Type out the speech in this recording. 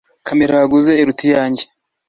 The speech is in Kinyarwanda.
Kamera waguze iruta iyanjye.